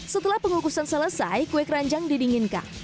setelah pengukusan selesai kue keranjang didinginkan